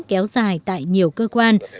kéo dài tại nhiều cơ quan